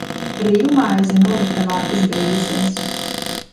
Rīvmaize noliktavā izbeigusies.